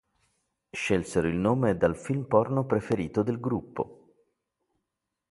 Scelsero il nome dal film porno preferito del gruppo.